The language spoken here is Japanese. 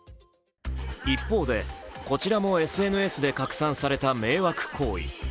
一方で、こちらもＳＮＳで拡散された迷惑行為。